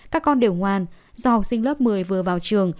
các con đều ngoan do học sinh lớp một mươi vừa vào trường